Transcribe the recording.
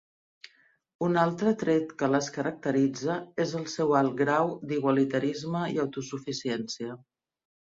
Un altre tret que les caracteritza és el seu alt grau d'igualitarisme i autosuficiència.